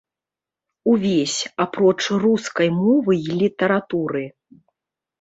Увесь, апроч рускай мовы і літаратуры.